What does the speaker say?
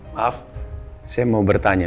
maaf saya mau bertanya